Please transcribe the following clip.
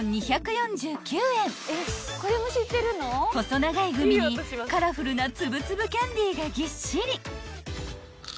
［細長いグミにカラフルな粒々キャンディーがぎっしり］